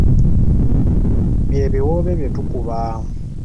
Bye biwoobe bye tukuba.